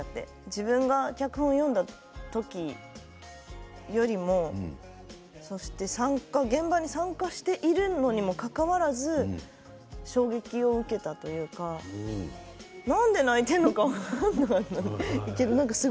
自分が脚本を読んだ時よりもそして現場に参加しているにもかかわらず衝撃を受けたというかなんで泣いているのか分からなかったんです。